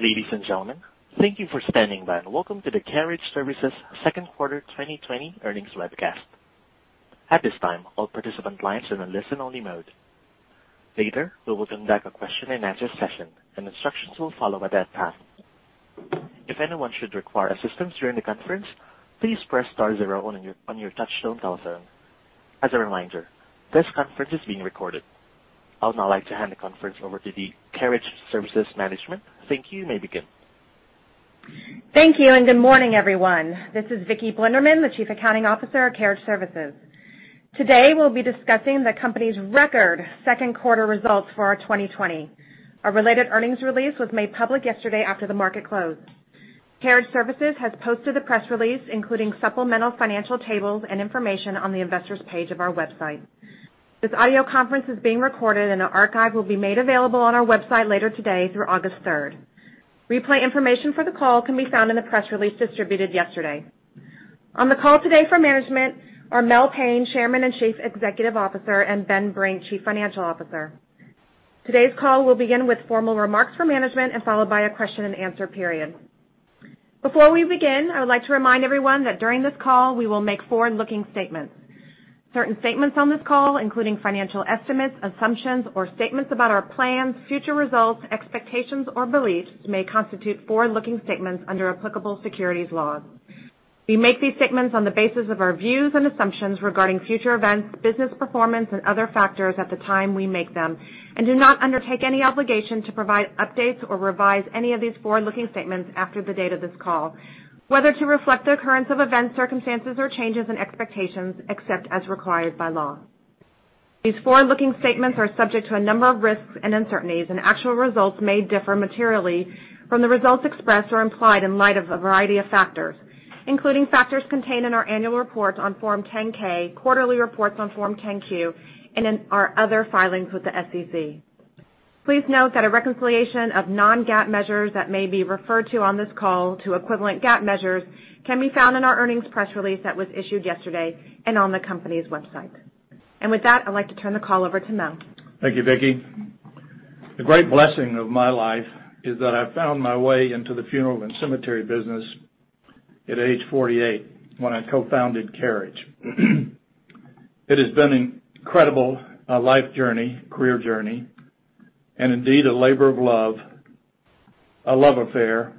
Ladies and gentlemen, thank you for standing by. Welcome to the Carriage Services Q2 2020 earnings webcast. At this time, all participant lines are in listen-only mode. Later, we will conduct a question and answer session, and instructions will follow at that time. If anyone should require assistance during the conference, please press star zero on your touchtone telephone. As a reminder, this conference is being recorded. I would now like to hand the conference over to the Carriage Services management. Thank you. You may begin. Thank you, and good morning, everyone. This is Viki Blinderman, the Chief Accounting Officer of Carriage Services. Today, we'll be discussing the company's record Q2 results for 2020. Our related earnings release was made public yesterday after the market closed. Carriage Services has posted the press release, including supplemental financial tables and information on the investor's page of our website. This audio conference is being recorded, and an archive will be made available on our website later today through August 3rd. Replay information for the call can be found in the press release distributed yesterday. On the call today for management are Mel Payne, Chairman and Chief Executive Officer, and Ben Brink, Chief Financial Officer. Today's call will begin with formal remarks from management and followed by a question and answer period. Before we begin, I would like to remind everyone that during this call, we will make forward-looking statements. Certain statements on this call, including financial estimates, assumptions, or statements about our plans, future results, expectations, or beliefs, may constitute forward-looking statements under applicable securities laws. We make these statements on the basis of our views and assumptions regarding future events, business performance, and other factors at the time we make them and do not undertake any obligation to provide updates or revise any of these forward-looking statements after the date of this call, whether to reflect the occurrence of events, circumstances, or changes in expectations, except as required by law. These forward-looking statements are subject to a number of risks and uncertainties, and actual results may differ materially from the results expressed or implied in light of a variety of factors, including factors contained in our annual reports on Form 10-K, quarterly reports on Form 10-Q, and in our other filings with the SEC. Please note that a reconciliation of non-GAAP measures that may be referred to on this call to equivalent GAAP measures can be found in our earnings press release that was issued yesterday and on the company's website. With that, I'd like to turn the call over to Mel. Thank you, Viki. The great blessing of my life is that I found my way into the funeral and cemetery business at age 48 when I co-founded Carriage. It has been an incredible life journey, career journey, and indeed, a labor of love, a love affair,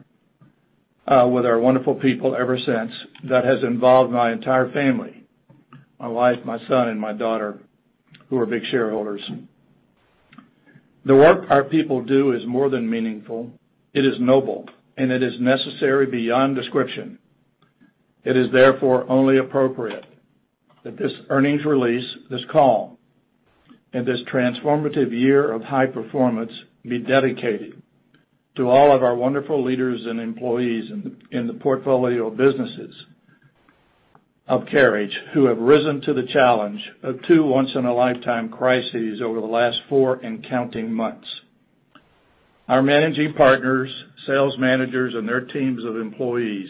with our wonderful people ever since. That has involved my entire family, my wife, my son, and my daughter, who are big shareholders. The work our people do is more than meaningful. It is noble, and it is necessary beyond description. It is therefore only appropriate that this earnings release, this call, and this transformative year of high performance be dedicated to all of our wonderful leaders and employees in the portfolio of businesses of Carriage who have risen to the challenge of two once-in-a-lifetime crises over the last four and counting months. Our managing partners, sales managers, and their teams of employees,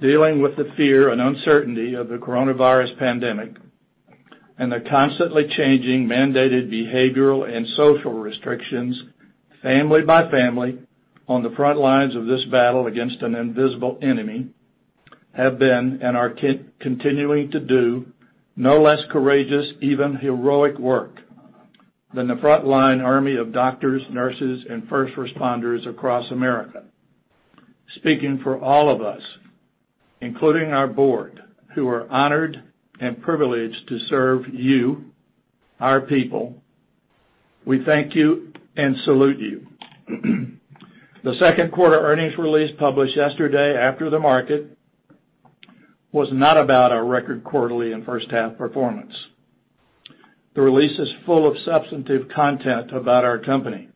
dealing with the fear and uncertainty of the coronavirus pandemic and the constantly changing mandated behavioral and social restrictions, family by family, on the front lines of this battle against an invisible enemy, have been, and are continuing to do, no less courageous, even heroic work than the front-line army of doctors, nurses, and first responders across America. Speaking for all of us, including our board, who are honored and privileged to serve you, our people, we thank you and salute you. The Q2 earnings release published yesterday after the market was not about our record quarterly and H1 performance. The release is full of substantive content about our company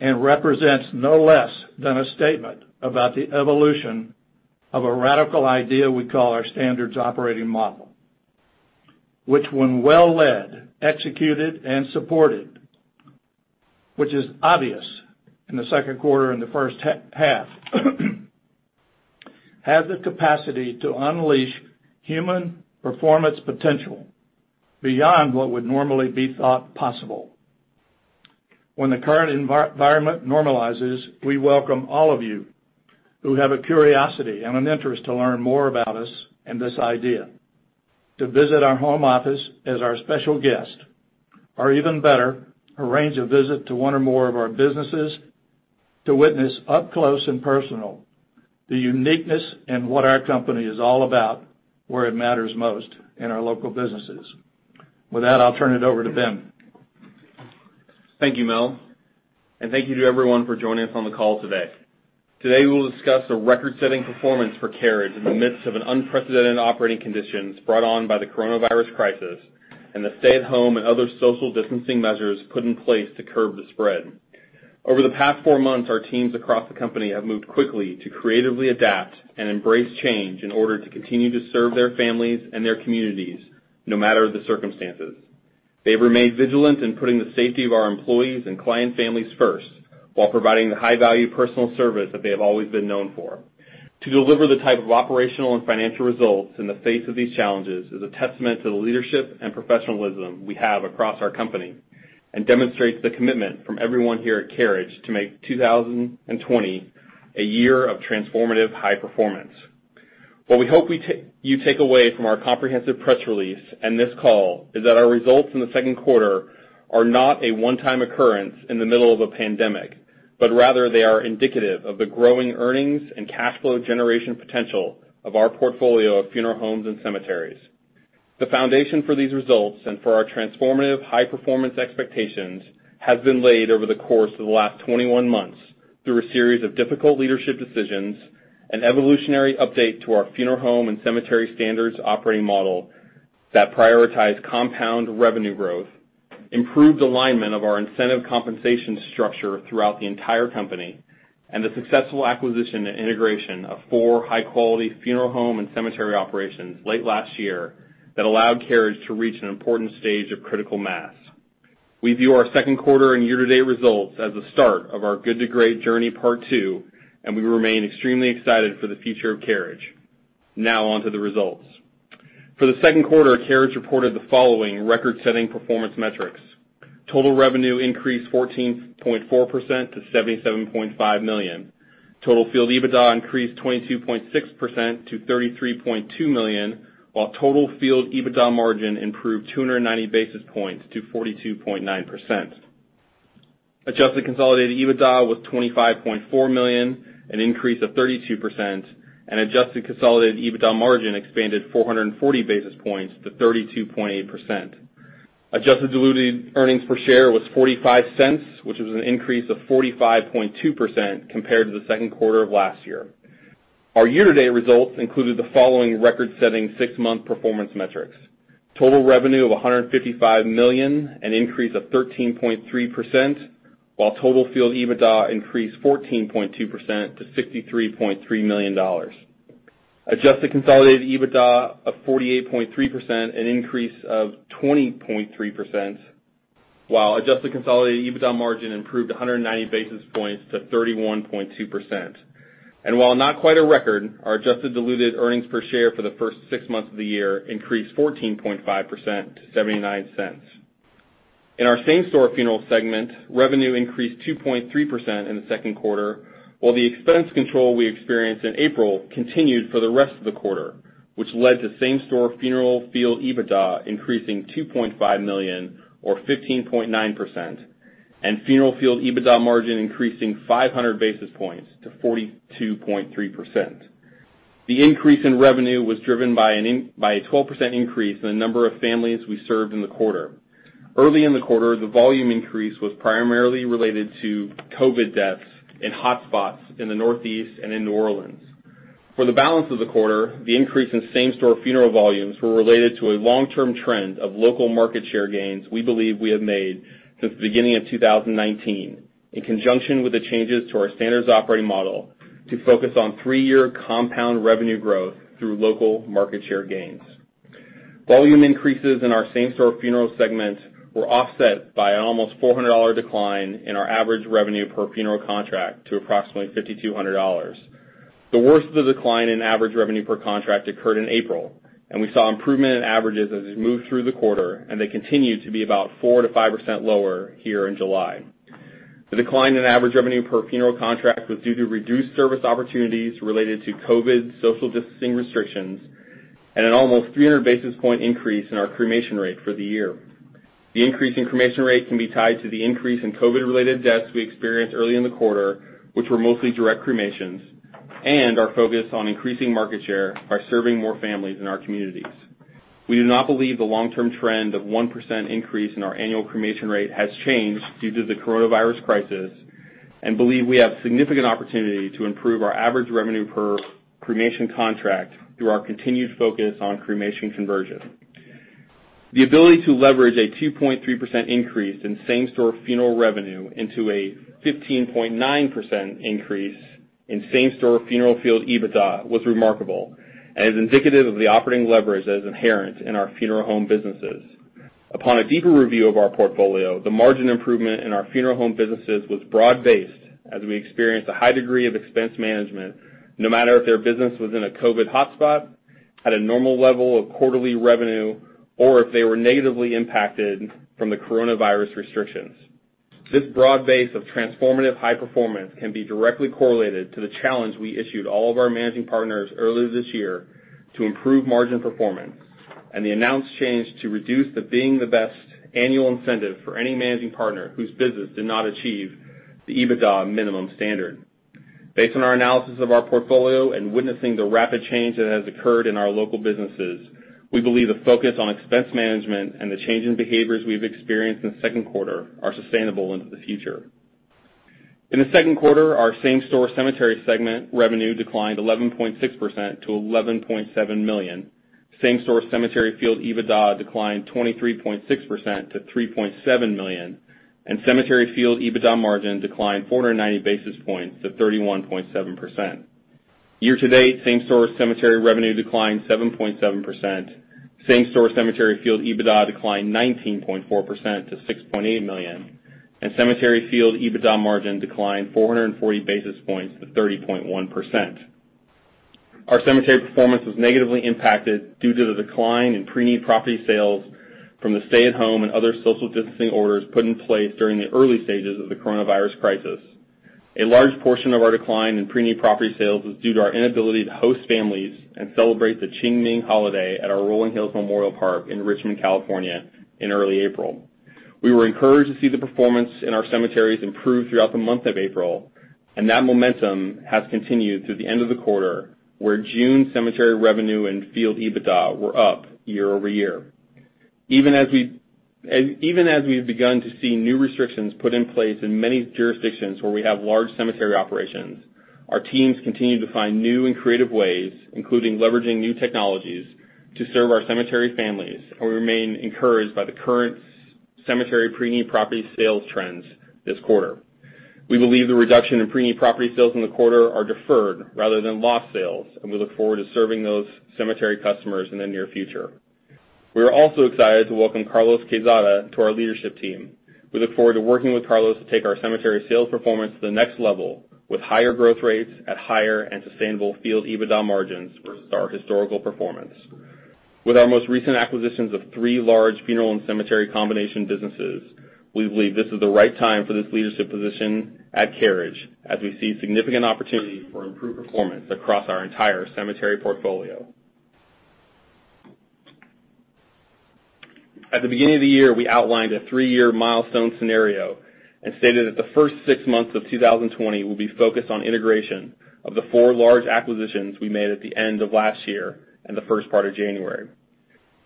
and represents no less than a statement about the evolution of a radical idea we call our Standards Operating Model, which when well led, executed, and supported, which is obvious in the Q2 and the H1, has the capacity to unleash human performance potential beyond what would normally be thought possible. When the current environment normalizes, we welcome all of you who have a curiosity and an interest to learn more about us and this idea to visit our home office as our special guest, or even better, arrange a visit to one or more of our businesses to witness up close and personal the uniqueness in what our company is all about, where it matters most in our local businesses. With that, I'll turn it over to Ben. Thank you, Mel, thank you to everyone for joining us on the call today. Today, we will discuss a record-setting performance for Carriage in the midst of an unprecedented operating conditions brought on by the coronavirus crisis and the stay-at-home and other social distancing measures put in place to curb the spread. Over the past four months, our teams across the company have moved quickly to creatively adapt and embrace change in order to continue to serve their families and their communities, no matter the circumstances. They've remained vigilant in putting the safety of our employees and client families first while providing the high-value personal service that they have always been known for. To deliver the type of operational and financial results in the face of these challenges is a testament to the leadership and professionalism we have across our company and demonstrates the commitment from everyone here at Carriage to make 2020 a year of transformative high performance. What we hope you take away from our comprehensive press release and this call is that our results in the Q2 are not a one-time occurrence in the middle of a pandemic, but rather they are indicative of the growing earnings and cash flow generation potential of our portfolio of funeral homes and cemeteries. The foundation for these results and for our transformative high-performance expectations has been laid over the course of the last 21 months through a series of difficult leadership decisions and evolutionary update to our funeral home and cemetery Standards Operating Model that prioritize compound revenue growth, improved alignment of our incentive compensation structure throughout the entire company, and the successful acquisition and integration of four high-quality funeral home and cemetery operations late last year that allowed Carriage to reach an important stage of critical mass. We view our Q2 and year-to-date results as the start of our Good To Great Journey Part II, and we remain extremely excited for the future of Carriage. Now on to the results. For the Q2, Carriage reported the following record-setting performance metrics. Total revenue increased 14.4% to $77.5 million. Total field EBITDA increased 22.6% to $33.2 million, while total field EBITDA margin improved 290 basis points to 42.9%. Adjusted consolidated EBITDA was $25.4 million, an increase of 32%, Adjusted consolidated EBITDA margin expanded 440 basis points to 32.8%. Adjusted diluted earnings per share was $0.45, which was an increase of 45.2% compared to the Q2 of last year. Our year-to-date results included the following record-setting six-month performance metrics. Total revenue of $155 million, an increase of 13.3%, while total field EBITDA increased 14.2% to $63.3 million. Adjusted consolidated EBITDA of $48.3 million, an increase of 20.3%, while adjusted consolidated EBITDA margin improved 190 basis points to 31.2%. While not quite a record, our adjusted diluted earnings per share for the first six months of the year increased 14.5% to $0.79. In our same-store funeral segment, revenue increased 2.3% in the Q2, while the expense control we experienced in April continued for the rest of the quarter, which led to same-store funeral field EBITDA increasing $2.5 million or 15.9%, and funeral field EBITDA margin increasing 500 basis points to 42.3%. The increase in revenue was driven by a 12% increase in the number of families we served in the quarter. Early in the quarter, the volume increase was primarily related to COVID deaths in hot spots in the Northeast and in New Orleans. For the balance of the quarter, the increase in same-store funeral volumes were related to a long-term trend of local market share gains we believe we have made since the beginning of 2019, in conjunction with the changes to our Standards Operating Model to focus on three-year compound revenue growth through local market share gains. Volume increases in our same-store funeral segment were offset by a $400 decline in our average revenue per funeral contract to $5,200. The worst of the decline in average revenue per contract occurred in April, and we saw improvement in averages as we moved through the quarter, and they continue to be about 4% to 5% lower here in July. The decline in average revenue per funeral contract was due to reduced service opportunities related to COVID social distancing restrictions and a 300 basis point increase in our cremation rate for the year. The increase in cremation rate can be tied to the increase in COVID-related deaths we experienced early in the quarter, which were mostly direct cremations, and our focus on increasing market share by serving more families in our communities. We do not believe the long-term trend of 1% increase in our annual cremation rate has changed due to the coronavirus crisis and believe we have significant opportunity to improve our average revenue per cremation contract through our continued focus on cremation conversion. The ability to leverage a 2.3% increase in same-store funeral revenue into a 15.9% increase in same-store funeral field EBITDA was remarkable and is indicative of the operating leverage that is inherent in our funeral home businesses. Upon a deeper review of our portfolio, the margin improvement in our funeral home businesses was broad-based as we experienced a high degree of expense management no matter if their business was in a COVID hot spot, at a normal level of quarterly revenue, or if they were negatively impacted from the coronavirus restrictions. This broad base of transformative high performance can be directly correlated to the challenge we issued all of our managing partners earlier this year to improve margin performance and the announced change to reduce the Being The Best annual incentive for any managing partner whose business did not achieve the EBITDA minimum standard. Based on our analysis of our portfolio and witnessing the rapid change that has occurred in our local businesses, we believe the focus on expense management and the change in behaviors we've experienced in the Q2 are sustainable into the future. In the Q2, our same-store cemetery segment revenue declined 11.6% to $11.7 million. Same-store cemetery field EBITDA declined 23.6% to $3.7 million, and cemetery field EBITDA margin declined 490 basis points to 31.7%. Year to date, same-store cemetery revenue declined 7.7%, same-store cemetery field EBITDA declined 19.4% to $6.8 million, and cemetery field EBITDA margin declined 440 basis points to 30.1%. Our cemetery performance was negatively impacted due to the decline in pre-need property sales from the stay-at-home and other social distancing orders put in place during the early stages of the coronavirus crisis. A large portion of our decline in pre-need property sales was due to our inability to host families and celebrate the Qingming holiday at our Rolling Hills Memorial Park in Richmond, California, in early April. We were encouraged to see the performance in our cemeteries improve throughout the month of April, and that momentum has continued through the end of the quarter, where June cemetery revenue and field EBITDA were up year-over-year. Even as we've begun to see new restrictions put in place in many jurisdictions where we have large cemetery operations, our teams continue to find new and creative ways, including leveraging new technologies, to serve our cemetery families, and we remain encouraged by the current cemetery pre-need property sales trends this quarter. We believe the reduction in pre-need property sales in the quarter are deferred rather than lost sales, and we look forward to serving those cemetery customers in the near future. We are also excited to welcome Carlos Quezada to our leadership team. We look forward to working with Carlos to take our cemetery sales performance to the next level, with higher growth rates at higher and sustainable field EBITDA margins versus our historical performance. With our most recent acquisitions of three large funeral and cemetery combination businesses, we believe this is the right time for this leadership position at Carriage as we see significant opportunity for improved performance across our entire cemetery portfolio. At the beginning of the year, we outlined a three-year milestone scenario and stated that the first six months of 2020 will be focused on integration of the four large acquisitions we made at the end of last year and the first part of January.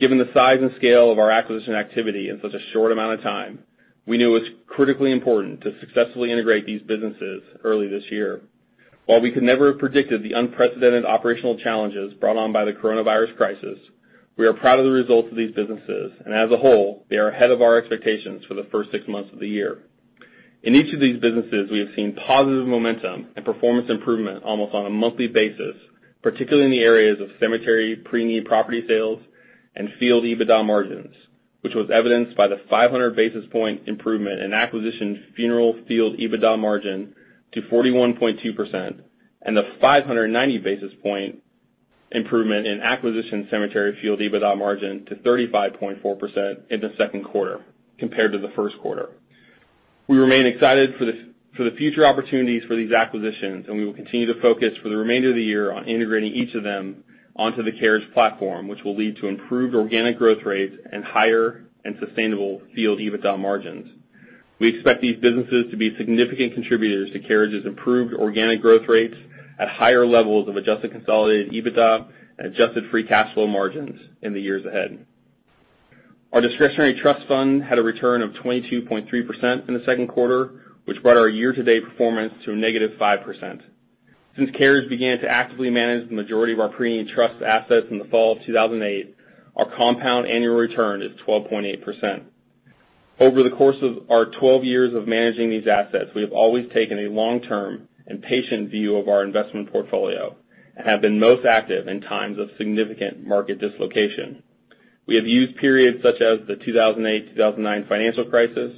Given the size and scale of our acquisition activity in such a short amount of time, we knew it was critically important to successfully integrate these businesses early this year. While we could never have predicted the unprecedented operational challenges brought on by the coronavirus crisis, we are proud of the results of these businesses, and as a whole, they are ahead of our expectations for the first six months of the year. In each of these businesses, we have seen positive momentum and performance improvement almost on a monthly basis, particularly in the areas of cemetery pre-need property sales and field EBITDA margins, which was evidenced by the 500 basis point improvement in acquisition funeral field EBITDA margin to 41.2% and the 590 basis point improvement in acquisition cemetery field EBITDA margin to 35.4% in the Q2 compared to the Q1. We remain excited for the future opportunities for these acquisitions, and we will continue to focus for the remainder of the year on integrating each of them onto the Carriage platform, which will lead to improved organic growth rates and higher and sustainable field EBITDA margins. We expect these businesses to be significant contributors to Carriage's improved organic growth rates at higher levels of adjusted consolidated EBITDA and adjusted free cash flow margins in the years ahead. Our discretionary trust fund had a return of 22.3% in the Q2, which brought our year-to-date performance to a negative 5%. Since Carriage began to actively manage the majority of our pre-need trust assets in the fall of 2008, our compound annual return is 12.8%. Over the course of our 12 years of managing these assets, we have always taken a long-term and patient view of our investment portfolio and have been most active in times of significant market dislocation. We have used periods such as the 2008 to 2009 financial crisis,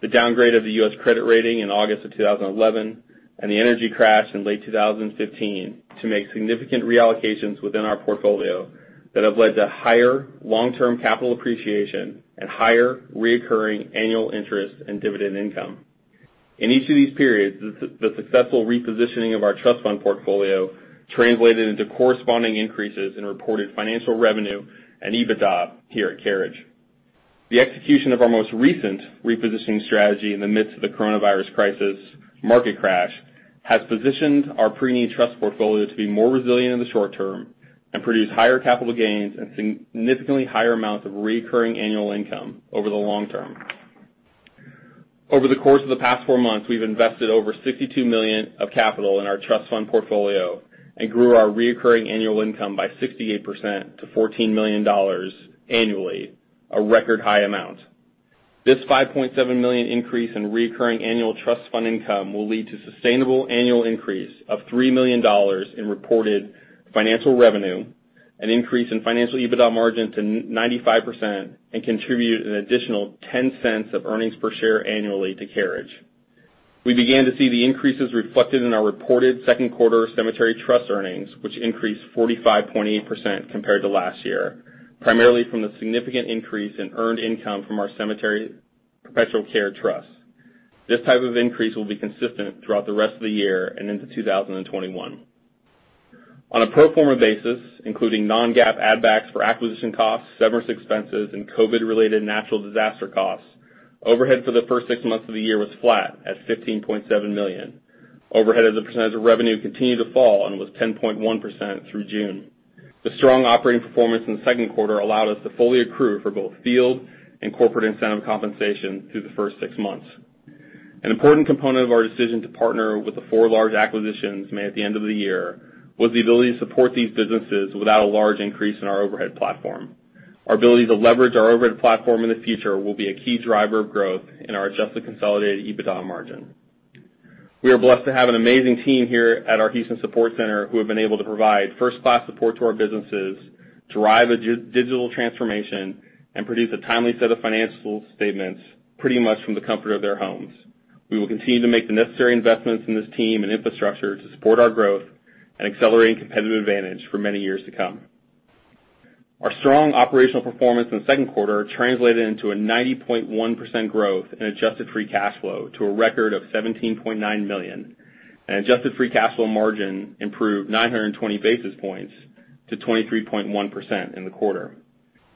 the downgrade of the U.S. credit rating in August of 2011, and the energy crash in late 2015 to make significant reallocations within our portfolio that have led to higher long-term capital appreciation and higher reoccurring annual interest and dividend income. In each of these periods, the successful repositioning of our trust fund portfolio translated into corresponding increases in reported financial revenue and EBITDA here at Carriage. The execution of our most recent repositioning strategy in the midst of the coronavirus crisis market crash has positioned our pre-need trust portfolio to be more resilient in the short term and produce higher capital gains and significantly higher amounts of recurring annual income over the long term. Over the course of the past four months, we've invested over $62 million of capital in our trust fund portfolio and grew our recurring annual income by 68% to $14 million annually, a record-high amount. This $5.7 million increase in recurring annual trust fund income will lead to sustainable annual increase of $3 million in reported financial revenue, an increase in financial EBITDA margin to 95%, and contribute an additional $0.10 of earnings per share annually to Carriage. We began to see the increases reflected in our reported Q2 cemetery trust earnings, which increased 45.8% compared to last year. Primarily from the significant increase in earned income from our cemetery perpetual care trust. This type of increase will be consistent throughout the rest of the year and into 2021. On a pro forma basis, including non-GAAP add backs for acquisition costs, severance expenses, and COVID-related natural disaster costs, overhead for the first six months of the year was flat at $15.7 million. Overhead as a percentage of revenue continued to fall and was 10.1% through June. The strong operating performance in the Q2 allowed us to fully accrue for both field and corporate incentive compensation through the first six months. An important component of our decision to partner with the four large acquisitions made at the end of the year was the ability to support these businesses without a large increase in our overhead platform. Our ability to leverage our overhead platform in the future will be a key driver of growth in our adjusted consolidated EBITDA margin. We are blessed to have an amazing team here at our Houston support center who have been able to provide first-class support to our businesses, drive a digital transformation, and produce a timely set of financial statements pretty much from the comfort of their homes. We will continue to make the necessary investments in this team and infrastructure to support our growth and accelerate competitive advantage for many years to come. Our strong operational performance in the Q2 translated into a 90.1% growth in adjusted free cash flow to a record of $17.9 million, and adjusted free cash flow margin improved 920 basis points to 23.1% in the quarter.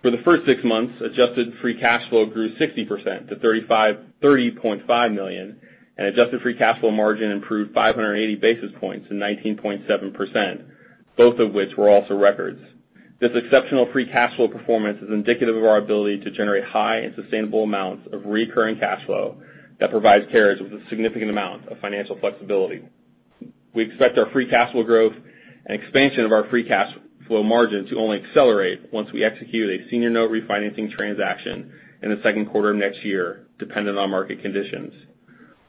For the first six months, adjusted free cash flow grew 60% to $30.5 million and adjusted free cash flow margin improved 580 basis points to 19.7%, both of which were also records. This exceptional free cash flow performance is indicative of our ability to generate high and sustainable amounts of recurring cash flow that provides Carriage with a significant amount of financial flexibility. We expect our free cash flow growth and expansion of our free cash flow margin to only accelerate once we execute a senior note refinancing transaction in the Q2 of next year, dependent on market conditions.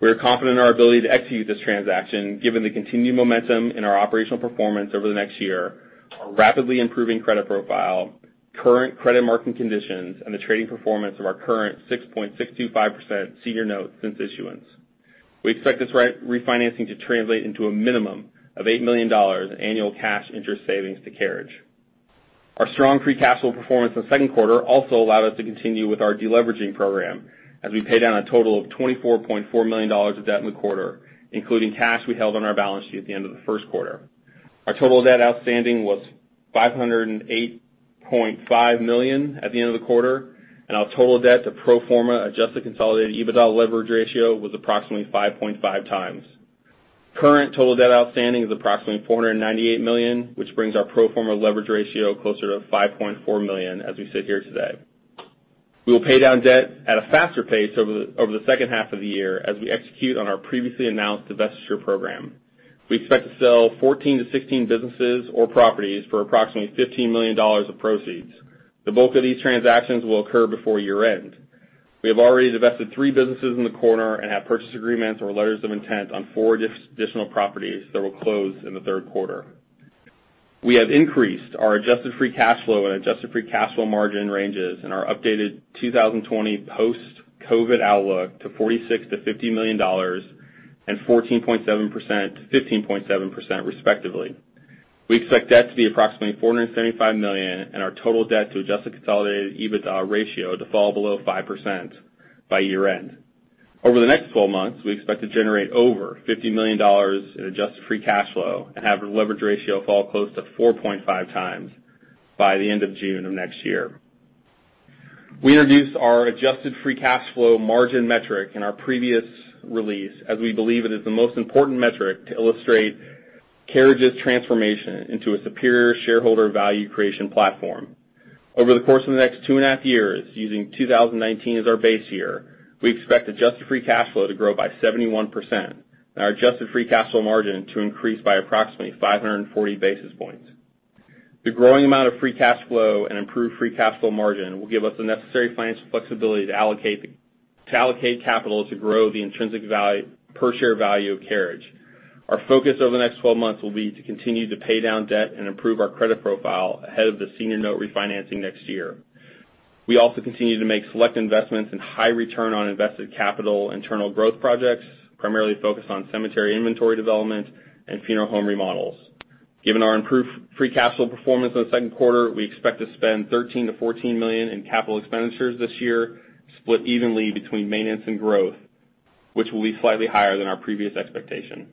We are confident in our ability to execute this transaction given the continued momentum in our operational performance over the next year, our rapidly improving credit profile, current credit market conditions, and the trading performance of our current 6.625% senior note since issuance. We expect this refinancing to translate into a minimum of $8 million in annual cash interest savings to Carriage. Our strong free cash flow performance in the Q2 also allowed us to continue with our de-leveraging program as we paid down a total of $24.4 million of debt in the quarter, including cash we held on our balance sheet at the end of the Q1. Our total debt outstanding was $508.5 million at the end of the quarter, and our total debt to pro forma adjusted consolidated EBITDA leverage ratio was approximately five point five times. Current total debt outstanding is approximately $498 million, which brings our pro forma leverage ratio closer to $5.4 million as we sit here today. We will pay down debt at a faster pace over the H2 of the year as we execute on our previously announced divestiture program. We expect to sell 14 to 16 businesses or properties for approximately $15 million of proceeds. The bulk of these transactions will occur before year-end. We have already divested three businesses in the quarter and have purchase agreements or letters of intent on four additional properties that will close in the Q3. We have increased our adjusted free cash flow and adjusted free cash flow margin ranges in our updated 2020 post-COVID outlook to $46 million to $50 million and 14.7% to 15.7% respectively. We expect debt to be approximately $475 million and our total debt to adjusted consolidated EBITDA ratio to fall below 5% by year-end. Over the next 12 months, we expect to generate over $50 million in adjusted free cash flow and have our leverage ratio fall close to four point five times by the end of June of next year. We introduced our adjusted free cash flow margin metric in our previous release, as we believe it is the most important metric to illustrate Carriage's transformation into a superior shareholder value creation platform. Over the course of the next two and a half years, using 2019 as our base year, we expect adjusted free cash flow to grow by 71% and our adjusted free cash flow margin to increase by approximately 540 basis points. The growing amount of free cash flow and improved free cash flow margin will give us the necessary financial flexibility to allocate capital to grow the intrinsic per share value of Carriage. Our focus over the next 12 months will be to continue to pay down debt and improve our credit profile ahead of the senior note refinancing next year. We also continue to make select investments in high return on invested capital internal growth projects, primarily focused on cemetery inventory development and funeral home remodels. Given our improved free cash flow performance in the Q2, we expect to spend $13 million to $14 million in capital expenditures this year, split evenly between maintenance and growth, which will be slightly higher than our previous expectation.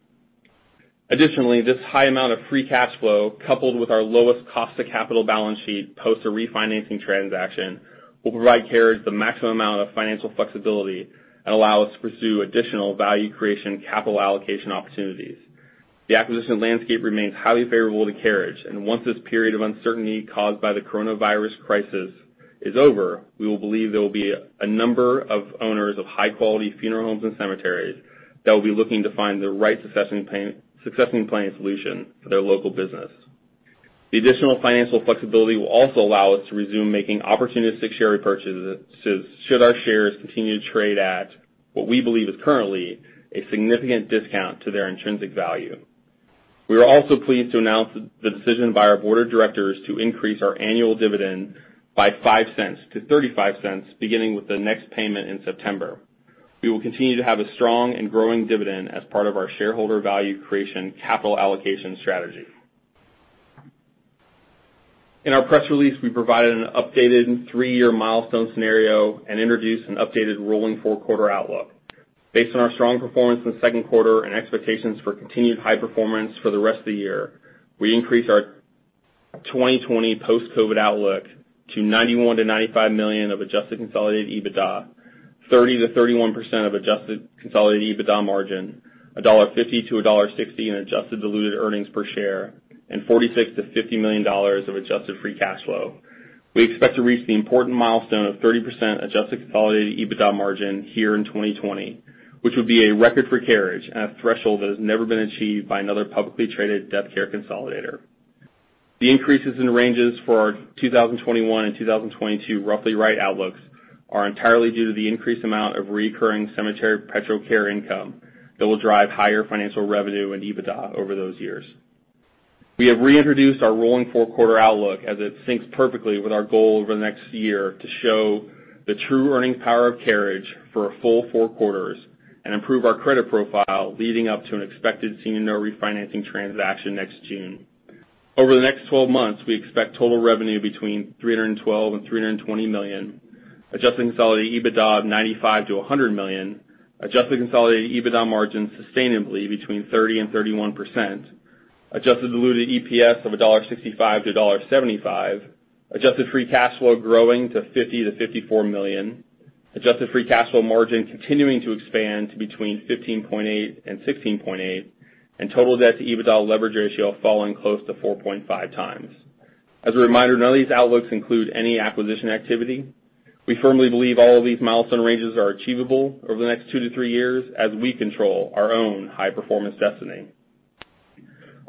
Additionally, this high amount of free cash flow, coupled with our lowest cost to capital balance sheet post a refinancing transaction, will provide Carriage the maximum amount of financial flexibility and allow us to pursue additional value creation capital allocation opportunities. The acquisition landscape remains highly favorable to Carriage, and once this period of uncertainty caused by the coronavirus crisis is over, we believe there will be a number of owners of high-quality funeral homes and cemeteries that will be looking to find the right succession planning solution for their local business. The additional financial flexibility will also allow us to resume making opportunistic share repurchases should our shares continue to trade at what we believe is currently a significant discount to their intrinsic value. We are also pleased to announce the decision by our board of directors to increase our annual dividend by $0.05 to $0.35, beginning with the next payment in September. We will continue to have a strong and growing dividend as part of our shareholder value creation capital allocation strategy. In our press release, we provided an updated three-year milestone scenario and introduced an updated rolling four-quarter outlook. Based on our strong performance in the Q2 and expectations for continued high performance for the rest of the year, we increased our 2020 post-COVID outlook to $91 million to $95 million of adjusted consolidated EBITDA, 30% to 31% of adjusted consolidated EBITDA margin, $1.50 to $1.60 in adjusted diluted earnings per share, and $46 million to $50 million of adjusted free cash flow. We expect to reach the important milestone of 30% adjusted consolidated EBITDA margin here in 2020, which would be a record for Carriage and a threshold that has never been achieved by another publicly traded death care consolidator. The increases in ranges for our 2021 and 2022 Roughly Right Outlooks are entirely due to the increased amount of recurring cemetery perpetual care income that will drive higher financial revenue and EBITDA over those years. We have reintroduced our rolling four-quarter outlook, as it syncs perfectly with our goal over the next year to show the true earning power of Carriage for a full four quarters. Improve our credit profile leading up to an expected senior note refinancing transaction next June. Over the next 12 months, we expect total revenue between $312 million to $320 million, adjusted consolidated EBITDA of $95 million to $100 million, adjusted consolidated EBITDA margin sustainably between 30% to 31%, adjusted diluted EPS of $1.65 to $1.75, adjusted free cash flow growing to $50 million to $54 million, adjusted free cash flow margin continuing to expand to between 15.8% to 16.8%, and total debt to EBITDA leverage ratio falling close to four point five times. As a reminder, none of these outlooks include any acquisition activity. We firmly believe all of these milestone ranges are achievable over the next two to three years as we control our own high-performance destiny.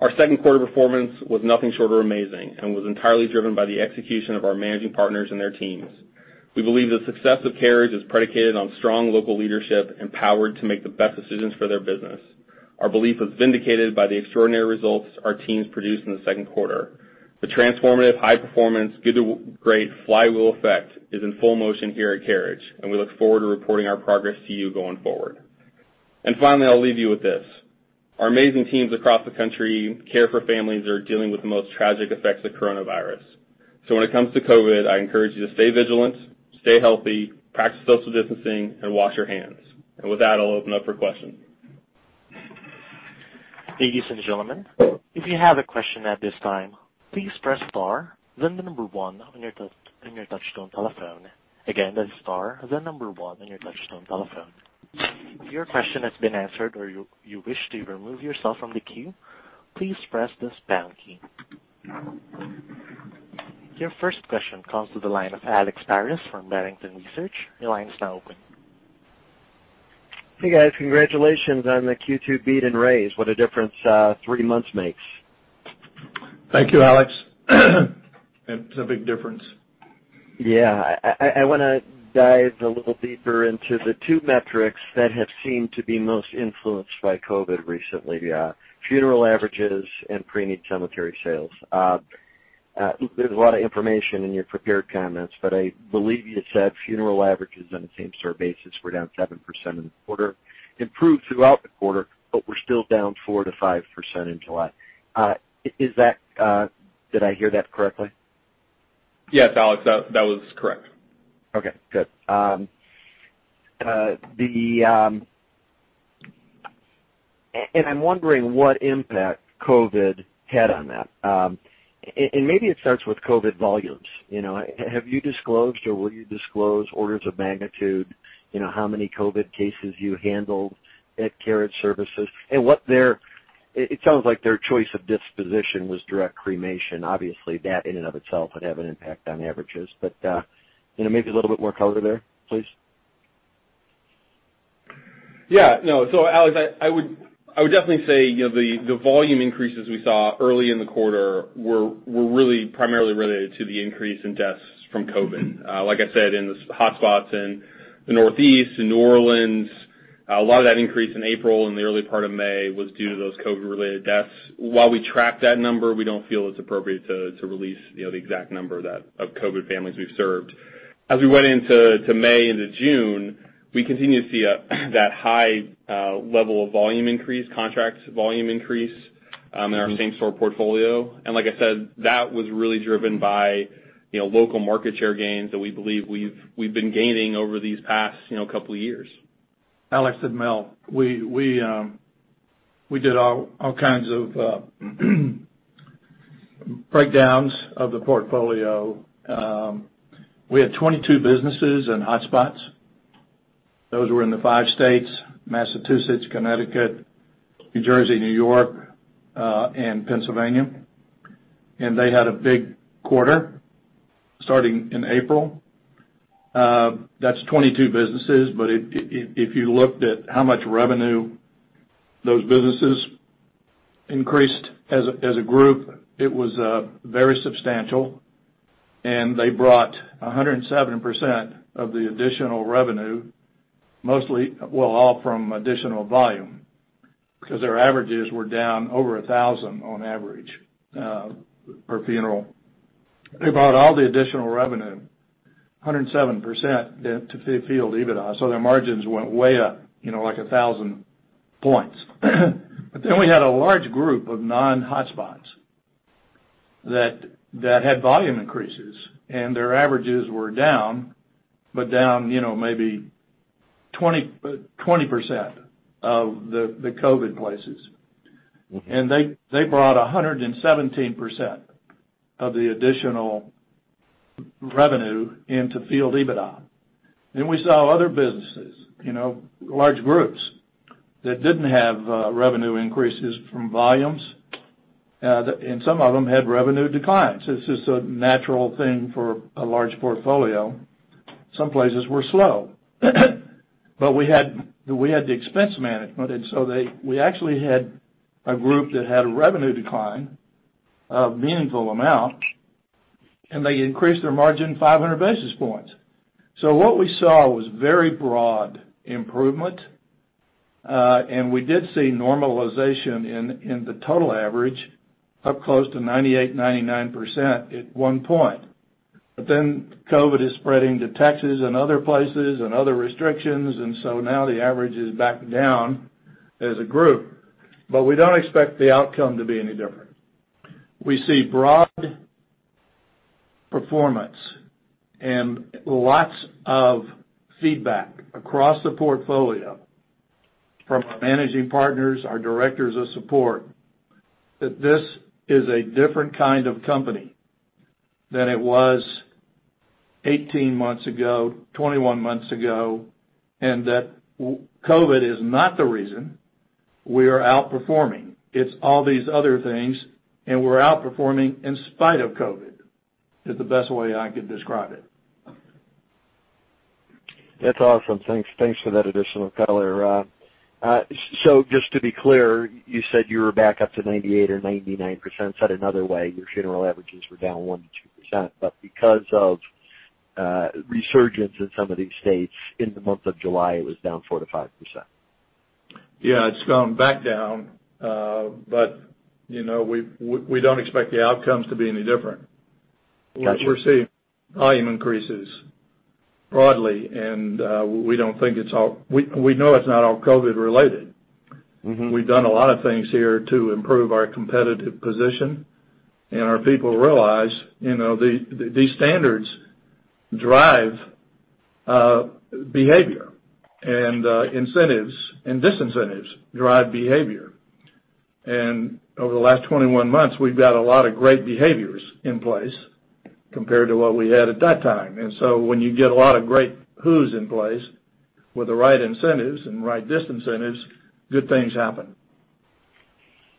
Our Q2 performance was nothing short of amazing and was entirely driven by the execution of our managing partners and their teams. We believe the success of Carriage is predicated on strong local leadership empowered to make the best decisions for their business. Our belief is vindicated by the extraordinary results our teams produced in the Q2. The transformative high performance Good To Great flywheel effect is in full motion here at Carriage, and we look forward to reporting our progress to you going forward. Finally, I'll leave you with this. Our amazing teams across the country care for families that are dealing with the most tragic effects of coronavirus. When it comes to COVID, I encourage you to stay vigilant, stay healthy, practice social distancing, and wash your hands. With that, I'll open up for questions. Ladies and gentlemen, if you have a question at this time, please press star, then the number one on your touchtone telephone. Again, that's star, then number one on your touchtone telephone. If your question has been answered or you wish to remove yourself from the queue, please press the pound key. Your first question comes to the line of Alexander Paris from Barrington Research Associates. Your line is now open. Hey, guys. Congratulations on the Q2 beat and raise. What a difference three months makes. Thank you, Alexander. It's a big difference. I want to dive a little deeper into the two metrics that have seemed to be most influenced by COVID recently, funeral averages and preneed cemetery sales. There's a lot of information in your prepared comments, but I believe you said funeral averages on a same-store basis were down 7% in the quarter, improved throughout the quarter, but were still down 4% to 5% in July. All right, is that, uh, did I hear that correctly? Yes, Alexander. That was correct. Okay, good. And I'm wondering what impact COVID had on that. Maybe it starts with COVID volumes. Have you disclosed or will you disclose orders of magnitude, how many COVID cases you handled at Carriage Services and it sounds like their choice of disposition was direct cremation? Obviously, that in and of itself would have an impact on averages. Maybe a little bit more color there, please. Yeah. No. So Alexander, I would definitely say the volume increases we saw early in the quarter were really primarily related to the increase in deaths from COVID. Like I said, in the hotspots in the Northeast, in New Orleans, a lot of that increase in April and the early part of May was due to those COVID-related deaths. While we track that number, we don't feel it's appropriate to release the exact number of COVID families we've served. As we went into May, into June, we continued to see that high level of volume increase, contracts volume increase in our same store portfolio. Like I said, that was really driven by local market share gains that we believe we've been gaining over these past couple of years. Alexander, it's Mel. We did all kinds of breakdowns of the portfolio. We had 22 businesses in hotspots. Those were in the five states, Massachusetts, Connecticut, New Jersey, New York, and Pennsylvania. They had a big quarter starting in April. That's 22 businesses, but if you looked at how much revenue those businesses increased as a group, it was very substantial, and they brought 107% of the additional revenue, mostly well, all from additional volume, because their averages were down over 1,000 on average per funeral. They brought all the additional revenue, 107%, to field EBITDA, so their margins went way up like 1,000 points. We had a large group of non-hotspots that had volume increases, and their averages were down, but down maybe 20% of the COVID places. They brought 117% of the additional revenue into field EBITDA. We saw other businesses, large groups that didn't have revenue increases from volumes, and some of them had revenue declines. It's just a natural thing for a large portfolio. Some places were slow. We had the expense management, and so we actually had a group that had a revenue decline of meaningful amount, and they increased their margin 500 basis points. So what we saw was very broad improvement, and we did see normalization in the total average up close to 98%, 99% at one point. COVID is spreading to Texas and other places, and other restrictions, and so now the average is back down as a group. We don't expect the outcome to be any different. We see broad performance and lots of feedback across the portfolio from our managing partners, our directors of support, that this is a different kind of company than it was 18 months ago, 21 months ago, and that COVID is not the reason we are outperforming. It's all these other things, and we're outperforming in spite of COVID, is the best way I could describe it. That's awesome. Thanks for that additional color. Just to be clear, you said you were back up to 98% or 99%. Said another way, your funeral averages were down 1% to 2%, but because of a resurgence in some of these states, in the month of July, it was down 4% to 5%. Yeah, it's gone back down. We don't expect the outcomes to be any different. Got you. We're seeing volume increases broadly, and we know it's not all COVID related. We've done a lot of things here to improve our competitive position, and our people realize these standards drive behavior. Incentives and disincentives drive behavior. Over the last 21 months, we've got a lot of great behaviors in place compared to what we had at that time. So when you get a lot of great whos in place with the right incentives and right disincentives, good things happen.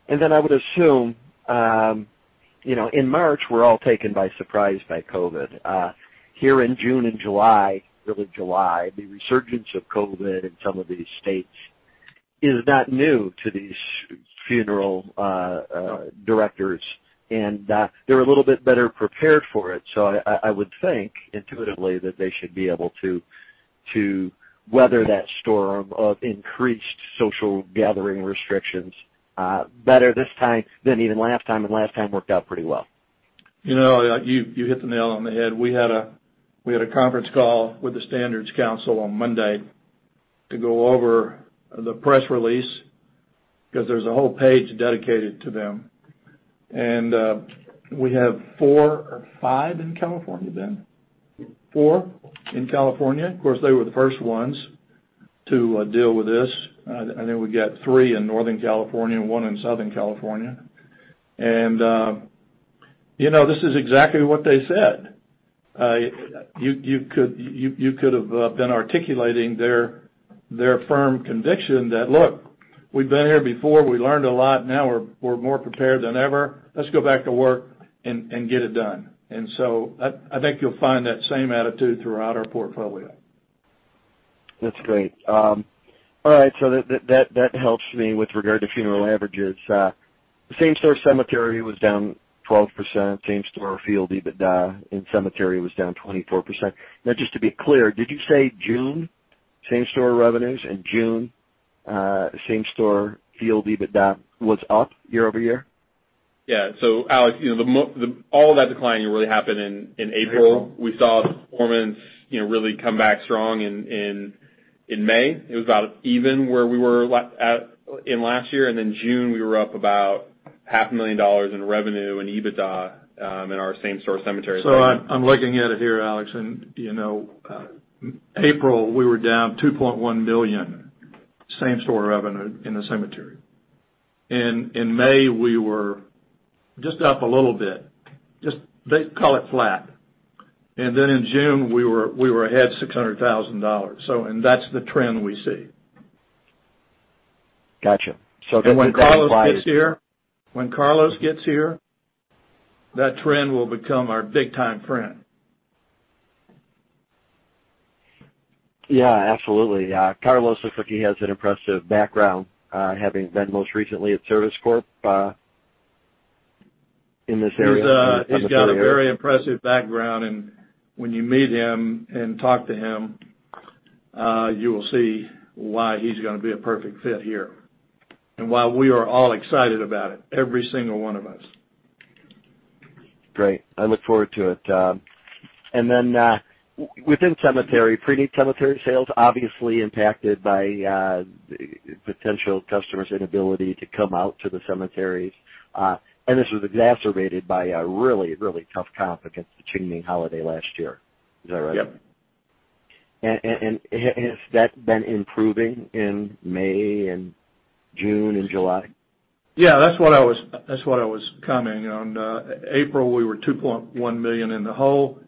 Then I would assume, in March, we're all taken by surprise by COVID. Here in June and July, really July, the resurgence of COVID in some of these states is not new to these funeral directors, and they're a little bit better prepared for it. I would think, intuitively, that they should be able to weather that storm of increased social gathering restrictions better this time than even last time, and last time worked out pretty well. You hit the nail on the head. We had a conference call with the Standards Council on Monday to go over the press release because there's a whole page dedicated to them. We have four or five in California, Ben? Four in California. Of course, they were the first ones to deal with this. I think we got three in Northern California and one in Southern California. This is exactly what they said. You could have been articulating their firm conviction that, look, we've been here before. We learned a lot. Now we're more prepared than ever. Let's go back to work and get it done. I think you'll find that same attitude throughout our portfolio. That's great. All right. That helps me with regard to funeral averages. Same-store cemetery was down 12%, same-store field EBITDA in cemetery was down 24%. Just to be clear, did you say June same-store revenues and June same-store field EBITDA was up year-over-year? Yeah. Alex, all of that decline really happened in April. We saw performance really come back strong in May. It was about even where we were in last year, June we were up about half a million dollars in revenue and EBITDA, in our same-store cemetery. I'm looking at it here, Alexander, in April, we were down $2.1 million same-store revenue in the cemetery. In May, we were just up a little bit, just call it flat. In June, we were ahead $600,000. That's the trend we see. Got you. When Carlos gets here, that trend will become our big-time trend. Yeah, absolutely. Carlos looks like he has an impressive background, having been most recently at Service Corp in this area. He's got a very impressive background, and when you meet him and talk to him, you will see why he's gonna be a perfect fit here and why we are all excited about it, every single one of us. Great. I look forward to it. Then, within cemetery, pre-need cemetery sales obviously impacted by potential customers' inability to come out to the cemeteries. This was exacerbated by a really, really tough comp against the Qingming holiday last year. Is that right? Yep. Has that been improving in May and June and July? Yeah, that's what I was commenting on. April, we were $2.1 million in the hole.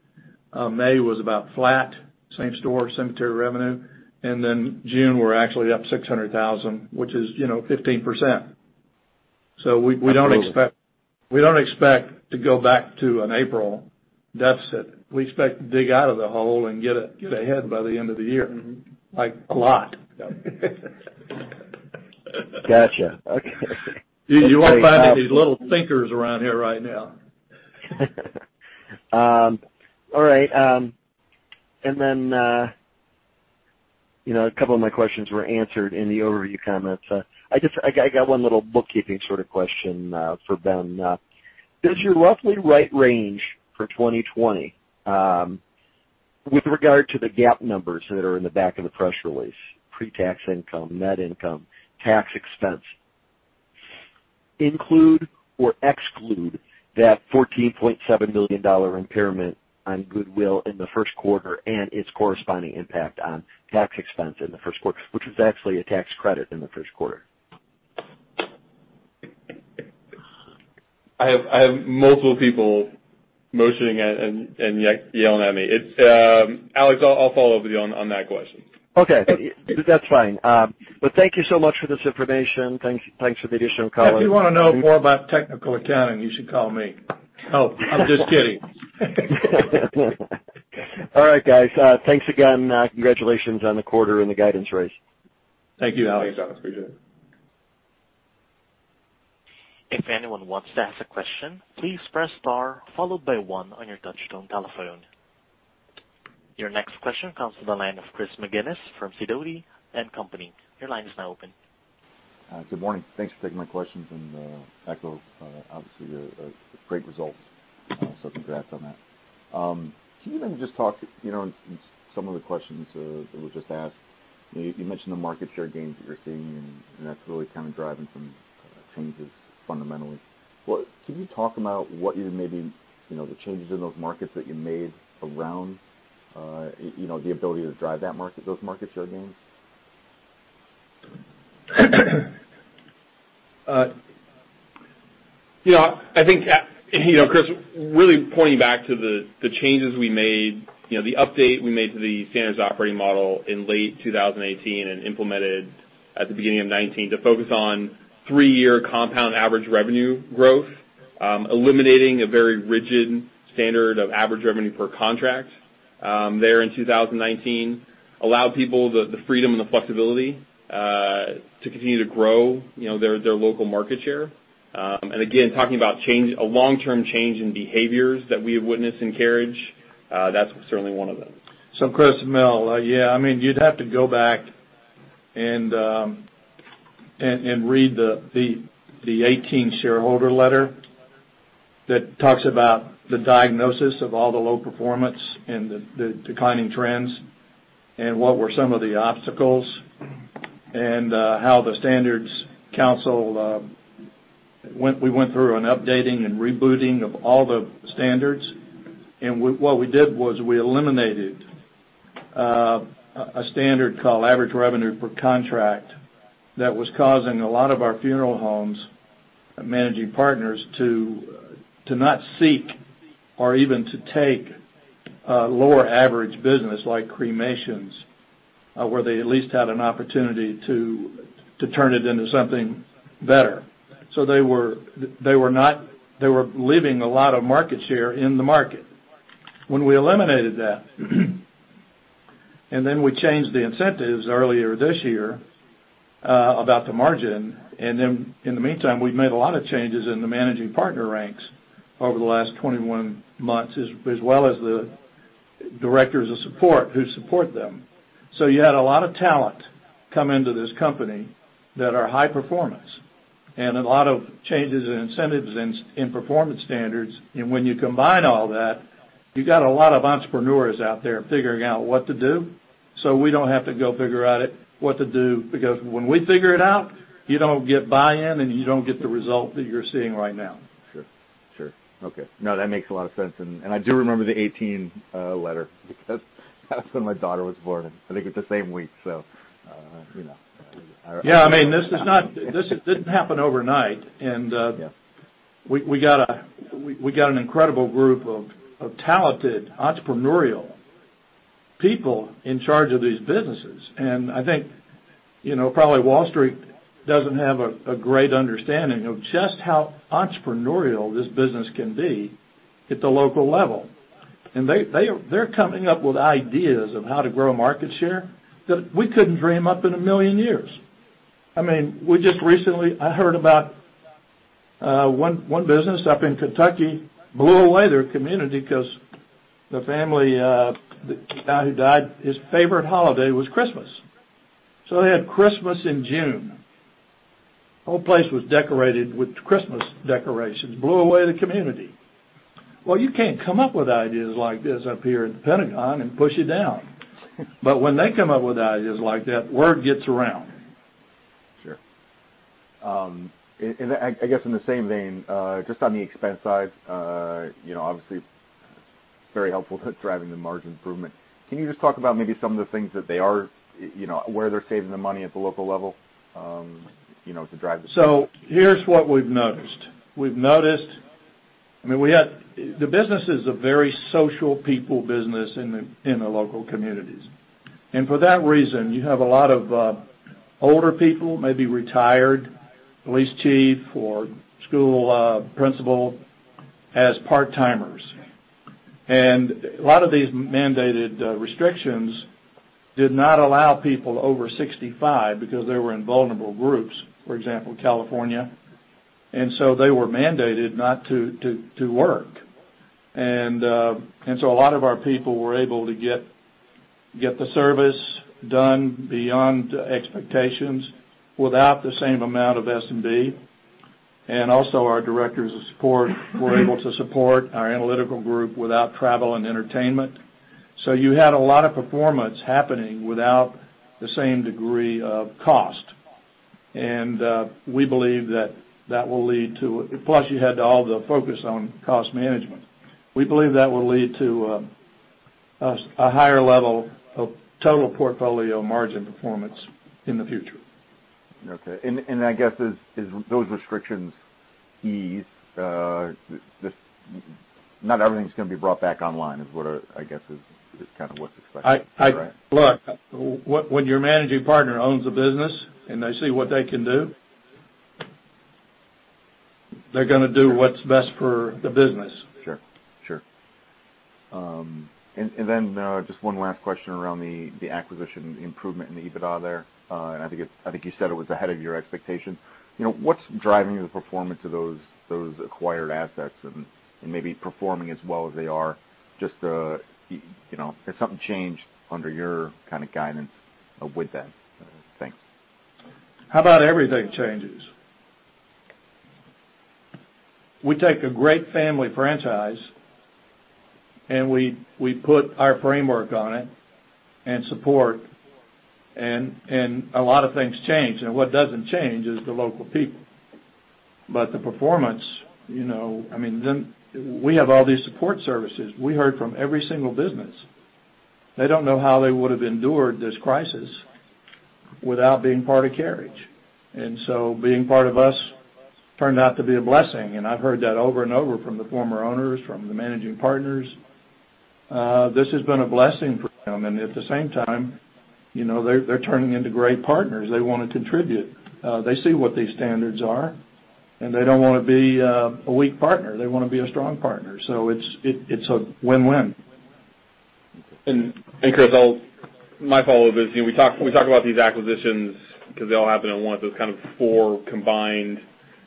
May was about flat, same-store cemetery revenue. June, we're actually up $600,000, which is 15%. Absolutely We don't expect to go back to an April deficit. We expect to dig out of the hole and get ahead by the end of the year. Like, a lot. Got you. Okay. You won't find any of these little thinkers around here right now. All right. A couple of my questions were answered in the overview comments. I got one little bookkeeping sort of question for Ben. Does your Roughly Right range for 2020, with regard to the GAAP numbers that are in the back of the press release, pre-tax income, net income, tax expense, include or exclude that $14.7 million impairment on goodwill in the Q1 and its corresponding impact on tax expense in the Q1, which was actually a tax credit in the Q1? I have multiple people motioning and yelling at me. Alexander, I'll follow up with you on that question. Okay. That's fine. Thank you so much for this information. Thanks for the additional color. If you want to know more about technical accounting, you should call me. Oh. I'm just kidding. All right, guys. Thanks again. Congratulations on the quarter and the guidance raise. Thank you, Alexander. I appreciate it. If anyone wants to ask a question, please press star, followed by one on your touchtone telephone. Your next question comes from the line of Chris McGinnis from Sidoti & Company. Your line is now open. Good morning. Thanks for taking my questions. Echo, obviously, a great result, so congrats on that. Can you maybe just talk, in some of the questions that was just asked, you mentioned the market share gains that you're seeing, and that's really kind of driving some changes fundamentally. Can you talk about the changes in those markets that you made around the ability to drive those market share gains? Yeah, I think that, you know, Chris, really pointing back to the changes we made, the update we made to the Standards Operating Model in late 2018 and implemented at the beginning of 2019 to focus on three-year compound average revenue growth, eliminating a very rigid standard of average revenue per contract there in 2019, allowed people the freedom and the flexibility to continue to grow their local market share. Again, talking about a long-term change in behaviors that we have witnessed in Carriage, that's certainly one of them. Chris, Mel, yeah, you'd have to go back and read the 2018 shareholder letter that talks about the diagnosis of all the low performance and the declining trends and what were some of the obstacles and how the Standards Council went. We went through an updating and rebooting of all the standards. What we did was we eliminated a standard called average revenue per contract that was causing a lot of our funeral homes and managing partners to not seek or even to take lower average business like cremations, where they at least had an opportunity to turn it into something better. They were leaving a lot of market share in the market. When we eliminated that, and then we changed the incentives earlier this year about the margin, and then in the meantime, we've made a lot of changes in the managing partner ranks over the last 21 months, as well as the directors of support who support them. So you had a lot of talent come into this company that are high-performance and a lot of changes in incentives and in performance standards. When you combine all that, you got a lot of entrepreneurs out there figuring out what to do, so we don't have to go figure out what to do, because when we figure it out, you don't get buy-in, and you don't get the result that you're seeing right now. Sure. Okay. Now, that makes a lot of sense. I do remember the 2018 letter because that's when my daughter was born. I think it's the same week, so. Yeah. This didn't happen overnight. Yeah. We got an incredible group of talented entrepreneurial people in charge of these businesses. I think, probably Wall Street doesn't have a great understanding of just how entrepreneurial this business can be at the local level. They're coming up with ideas of how to grow market share that we couldn't dream up in a million years. We just recently I heard about one business up in Kentucky blew away their community because the family, the guy who died, his favorite holiday was Christmas. They had Christmas in June. Whole place was decorated with Christmas decorations. Blew away the community. Well, you can't come up with ideas like this up here at the Pentagon and push it down. When they come up with ideas like that, word gets around. Sure. I guess in the same vein, just on the expense side, obviously, very helpful to driving the margin improvement. Can you just talk about maybe some of the things where they're saving the money at the local level to drive this? So here's what we've noticed. We've noticed, the business is a very social people business in the local communities. For that reason, you have a lot of older people, maybe retired police chief or school principal as part-timers. A lot of these mandated restrictions did not allow people over 65 because they were in vulnerable groups, for example, California. They were mandated not to work. A lot of our people were able to get the service done beyond expectations without the same amount of S&B. Our directors of support were able to support our analytical group without travel and entertainment. So you had a lot of performance happening without the same degree of cost. And we believe that that will lead to, plus you had all the focus on cost management. We believe that will lead to a higher level of total portfolio margin performance in the future. Okay. I guess as those restrictions ease, not everything's going to be brought back online is what I guess is kind of what's expected. Is that right? Look, when your managing partner owns a business and they see what they can do, they're going to do what's best for the business. Sure. Sure. Just one last question around the acquisition improvement and the EBITDA there. I think you said it was ahead of your expectations. What's driving the performance of those acquired assets and maybe performing as well as they are? Has something changed under your kind of guidance with that? Thanks. How about everything changes? We take a great family franchise, and we put our framework on it and support and a lot of things change. What doesn't change is the local people. But the performance, we have all these support services. We heard from every single business. They don't know how they would have endured this crisis without being part of Carriage. And so being part of us turned out to be a blessing, and I've heard that over and over from the former owners, from the managing partners. This has been a blessing for them. At the same time, they're turning into great partners. They want to contribute. They see what these standards are, and they don't want to be a weak partner. They want to be a strong partner. It's a win-win. Chris, my follow-up is, we talk about these acquisitions because they all happen at once, those kind of four combined,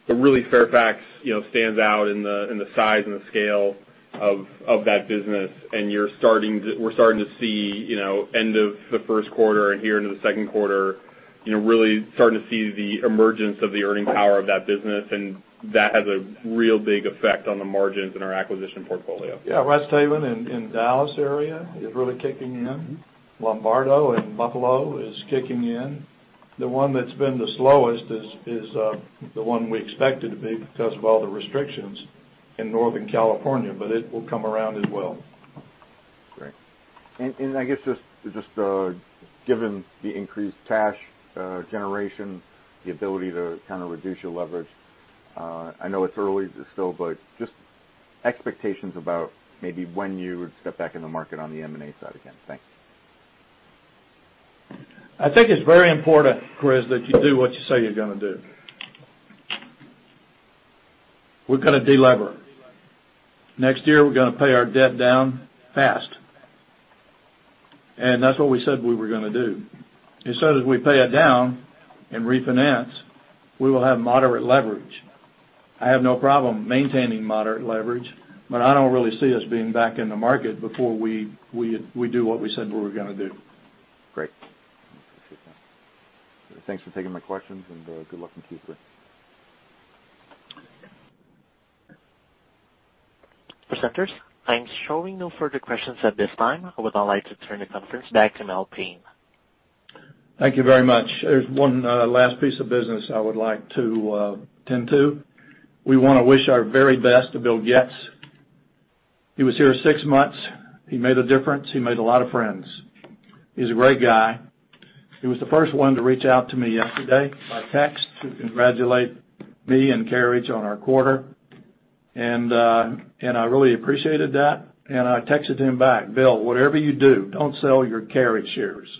but really Fairfax stands out in the size and the scale of that business, and we're starting to see end of the Q1 and here into the Q2, really starting to see the emergence of the earning power of that business, and that has a real big effect on the margins in our acquisition portfolio. Yeah. Rest Haven in Dallas area is really kicking in. Lombardo in Buffalo is kicking in. The one that's been the slowest is the one we expected to be because of all the restrictions in Northern California, but it will come around as well. Great. I guess just given the increased cash generation, the ability to kind of reduce your leverage, I know it's early still, but just expectations about maybe when you would step back in the market on the M&A side again? Thanks. I think it's very important, Chris, that you do what you say you're gonna do. We're gonna de-lever. Next year, we're gonna pay our debt down fast. That's what we said we were gonna do. As we pay it down and refinance, we will have moderate leverage. I have no problem maintaining moderate leverage, but I don't really see us being back in the market before we do what we said we were gonna do. Great. Appreciate that. Thanks for taking my questions and good luck in Q3. Presenters, I'm showing no further questions at this time. I would now like to turn the conference back to Mel Payne. Thank you very much. There's one last piece of business I would like to tend to. We want to wish our very best to Bill Goetz. He was here six months. He made a difference. He made a lot of friends. He's a great guy. He was the first one to reach out to me yesterday by text to congratulate me and Carriage on our quarter. And I really appreciated that, and I texted him back, "Bill, whatever you do, don't sell your Carriage shares.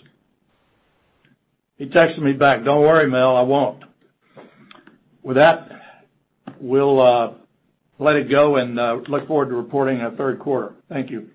" He texted me back, "Don't worry, Mel. I won't." With that, we'll let it go and look forward to reporting our Q3. Thank you.